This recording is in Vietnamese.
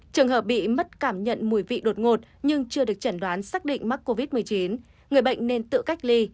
trường hợp bị mất cảm nhận mùi vị đột ngột nhưng chưa được chẩn đoán xác định mắc covid một mươi chín người bệnh nên tự cách ly